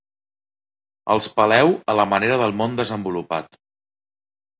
Els peleu a la manera del món desenvolupat.